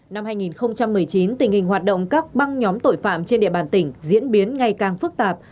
năm hai nghìn một mươi chín tình hình hoạt động các băng nhóm tội phạm trên địa bàn tỉnh diễn biến ngày càng phức tạp